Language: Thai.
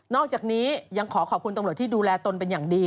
อกจากนี้ยังขอขอบคุณตำรวจที่ดูแลตนเป็นอย่างดี